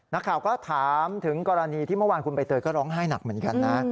นักข่าวก็ถามถึงกรณีที่เมื่อวานคุณใบเตยก็ร้องไห้หนักเหมือนกันนะ